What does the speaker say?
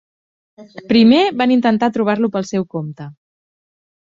Primer, van intentar trobar-lo pel seu compte.